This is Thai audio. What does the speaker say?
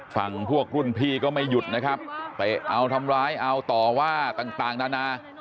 ฝั่งพวกรุ่นพี่ก็ไม่หยุดนะครับเตะเอาทำร้ายเอาต่อว่าต่างนานา